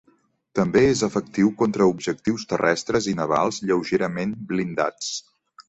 També és efectiu contra objectius terrestres i navals lleugerament blindats.